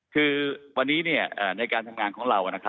คือวันนี้ในการทำงานของเรา